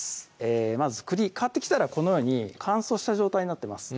まず栗買ってきたらこのように乾燥した状態になってます